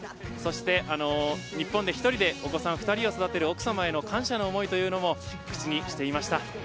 そして、日本で１人でお子さん２人を育てる奥様への感謝の思いというのも口にしていました。